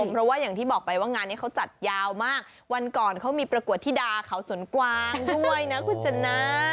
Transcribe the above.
เพราะว่าอย่างที่บอกไปว่างานนี้เขาจัดยาวมากวันก่อนเขามีประกวดธิดาเขาสวนกวางด้วยนะคุณชนะ